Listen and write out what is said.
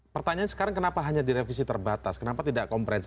pertanyaan sekarang kenapa hanya direvisi terbatas kenapa tidak komprehensif